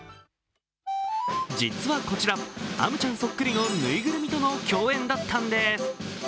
実はこちら、アムちゃんそっくりの縫いぐるみとの共演だったんです。